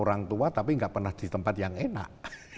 orang tua tapi nggak pernah di tempat yang enak